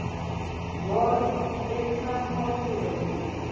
باز ډېر کم پاتې راځي